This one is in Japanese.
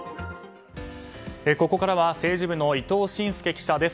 ここからは政治部の伊藤慎祐記者です。